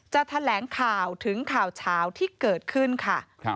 แถลงข่าวถึงข่าวเช้าที่เกิดขึ้นค่ะ